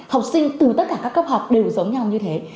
học sinh từ tất cả các cấp học đều giống nhau như thế